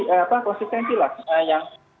konsistensi lah yang